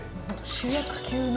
主役級の？